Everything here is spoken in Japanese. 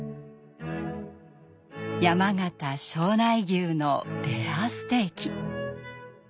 山形・庄内牛のレアステーキ。